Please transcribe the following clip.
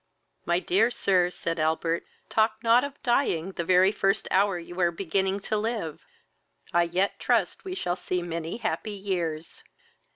"My dear sir, (said Albert,) talk not of dying the very first hour you are beginning to live, I yet trust we shall see many happy years."